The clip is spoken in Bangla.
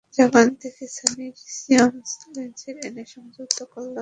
জাপান থেকে সনির সিমোস সেন্সর এনে সংযুক্ত করলাম চীনা ক্যামেরার ফ্রেমে।